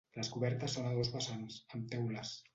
Les cobertes són a dos vessants, amb teules.